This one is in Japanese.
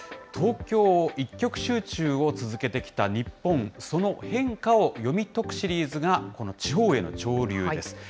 東京一極集中を続けてきた日本、その変化を読み解くシリーズが、この地方への潮流です。